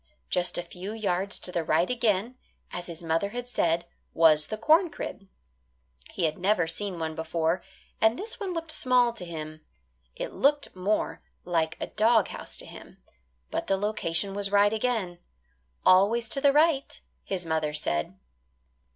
Just a few yards to the right again, as his mother had said, was the corn crib. He had never seen one before, and this one looked small to him. It looked more like a dog house to him. But the location was right again "always to the right," his mother said.